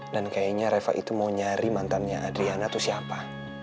dan kayaknya reva itu mau nyari mantannya adriana tuh siapa